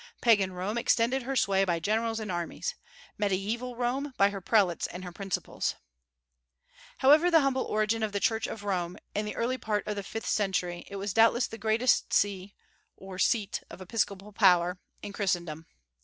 Pagan Rome extended her sway by generals and armies; Mediaeval Rome, by her prelates and her principles. However humble the origin of the Church of Rome, in the early part of the fifth century it was doubtless the greatest See (or seat of episcopal power) in Christendom.